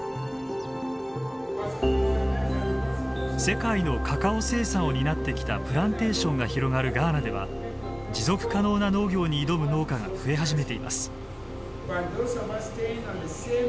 世界のカカオ生産を担ってきたプランテーションが広がるガーナでは持続可能な農業に挑む農家が増え始めています。